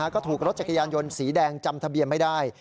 ก็ถูกรถจักรยานยนต์สีแดงจำทะเบียนไม่ได้